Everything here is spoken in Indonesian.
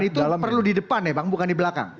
dan itu perlu di depan ya bang bukan di belakang